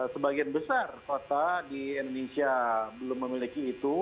sebagian besar kota di indonesia belum memiliki itu